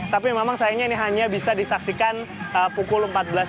tapi memang sayangnya ini hanya bisa disaksikan pukul empat belas tiga puluh